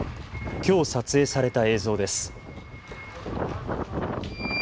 きょう撮影された映像です。